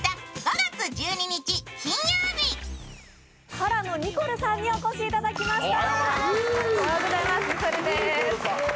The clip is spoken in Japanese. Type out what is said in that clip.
ＫＡＲＡのニコルさんにお越しいただきました！